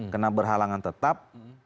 kena berhalangan tetap